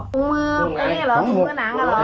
ตรงเมืองี้หรอตรงเมืองนางน่ะหรอ